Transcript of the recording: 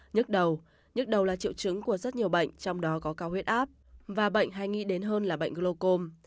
nhức đầu nhức đầu là triệu chứng của rất nhiều bệnh trong đó có cao huyết áp và bệnh hay nghĩ đến hơn là bệnh glocom